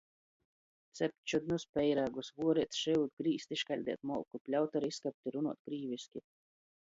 Cept čudnus peirāgus, vuoreit, šyut, grīzt i škaļdeit molku, pļaut ar izkapti, runuot krīviski.